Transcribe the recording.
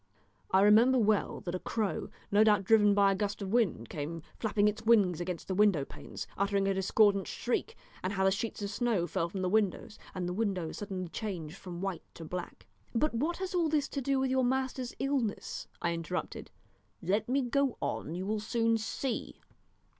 I remember well that a crow, no doubt driven by a gust of wind, came flapping its wings against the window panes, uttering a discordant shriek, and how the sheets of snow fell from the windows, and the windows suddenly changed from white to black " "But what has all this to do with your master's illness?" I interrupted. "Let me go on you will soon see.